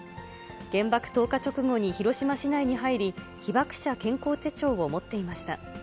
原爆投下直後に広島市内に入り、被爆者健康手帳を持っていました。